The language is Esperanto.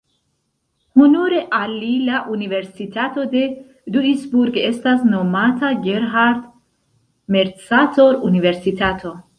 Honore al li la universitato de Duisburg estas nomata Gerhard-Mercator-Universitato.